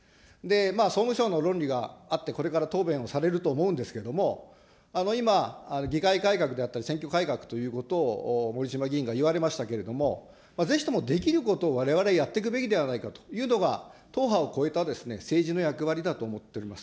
総務省の論理があって、これから答弁されると思うんですけれども、今、議会改革であったり、選挙改革ということを守島議員がいわれましたけれども、ぜひとも、できることをわれわれはやっていくべきではないかというのが、党派を超えた政治の役割だと思っております。